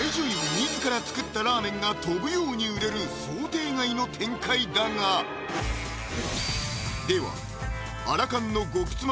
自ら作ったラーメンが飛ぶように売れる想定外の展開だがではアラ還の「極妻」